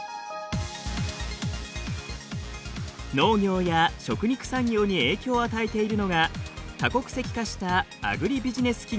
農業や食肉産業に影響を与えているのが多国籍化したアグリビジネス企業です。